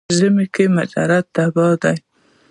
ژمي کې مجرد تبا دی.